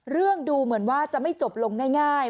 เรื่องดูเหมือนว่าจะไม่จบลงง่าย